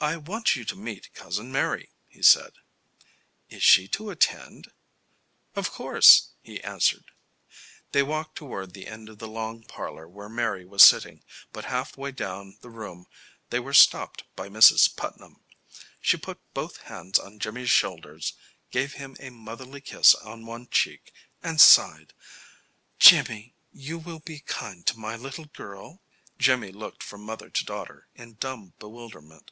"I want you to meet Cousin Mary," he said. "Is she to attend?" "Of course," he answered. They walked toward the end of the long parlor where Mary was sitting, but half way down the room they were stopped by Mrs. Putnam. She put both hands on Jimmy's shoulders, gave him a motherly kiss on one cheek, and sighed: "Jimmy, you will be kind to my little girl?" Jimmy looked from mother to daughter in dumb bewilderment.